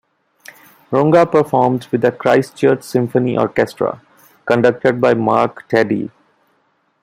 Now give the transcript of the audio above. Runga performed with the Christchurch Symphony Orchestra, conducted by Marc Taddei.